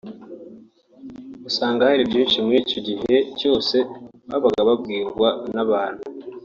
usanga hari byinshi muri icyo gihe cyose babaga babwirwa n’abantu